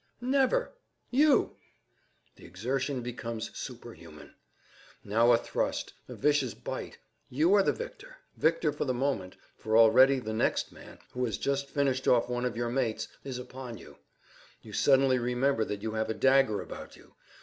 I?—Never! you! The exertion becomes superhuman. Now a thrust, a vicious bite, and you are the victor. Victor for the moment, for already the next man, who has just finished off one of your mates, is upon you—. You suddenly remember that you have a dagger about you.